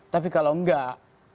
tapi kalau enggak